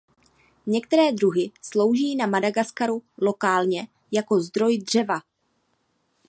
Některé druhy slouží na Madagaskaru lokálně jako zdroj dřeva.